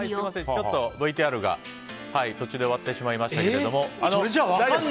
ちょっとＶＴＲが途中で終わってしまいましたが。